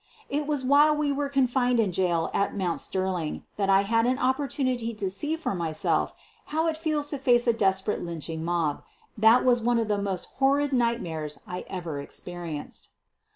It was while we were confined in the jail at Mount Sterling that I had an opportunity to see for myself how it feels to face a desperate lynching mob. That was one of the most horrid nightmares I ever ex perienced.